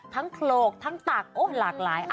ทั้งโคลกทั้งตักโอ้ยหลากหลาย